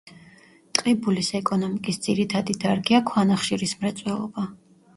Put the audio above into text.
ტყიბულის ეკონომიკის ძირითადი დარგია ქვანახშირის მრეწველობა.